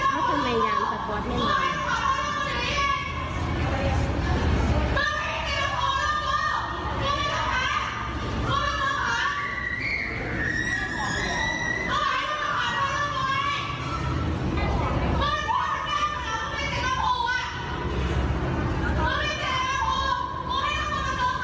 แก้ขนาดไม่ได้เจ็บว่าโทษอ่ะ